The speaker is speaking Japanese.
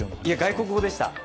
外国語でした、